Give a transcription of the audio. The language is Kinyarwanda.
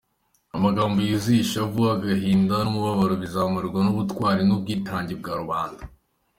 Amagambo yuzuye ishavu, agahinda n’umubabaro bizamarwa n’ubtwari n’ubwitange bwa rubanda.